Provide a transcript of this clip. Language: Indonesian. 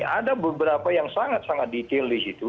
ada beberapa yang sangat sangat detail di situ